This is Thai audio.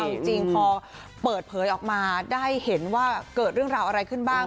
เอาจริงพอเปิดเผยออกมาได้เห็นว่าเกิดเรื่องราวอะไรขึ้นบ้าง